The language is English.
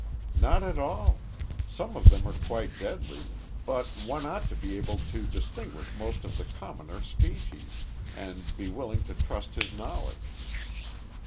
"Not at all. Some of them are quite deadly, but one ought to be able to distinguish most of the commoner species, and be willing to trust his knowledge."